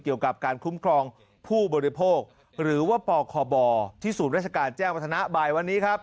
เกี่ยวกับการคุ้มครองผู้บริโภคหรือว่าปคบที่ศูนย์ราชการแจ้งวัฒนะบ่ายวันนี้ครับ